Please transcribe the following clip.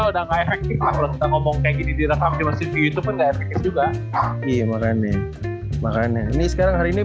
udah nge fax kita ngomong kayak gini di reklam di youtube juga makanya makanya ini sekarang hari ini